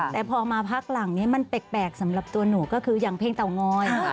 แต่พอมาพักหลังนี้มันแปลกสำหรับตัวหนูก็คืออย่างเพลงเตางอย